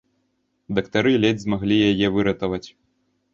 Дактары ледзь змаглі яе выратаваць.